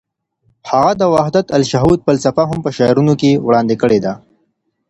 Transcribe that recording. هغه د وحدت الشهود فلسفه هم په شعرونو کې وړاندې کړه.